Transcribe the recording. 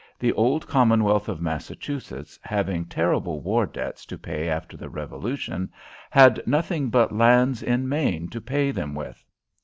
The old Commonwealth of Massachusetts, having terrible war debts to pay after the Revolution, had nothing but lands in Maine to pay them with.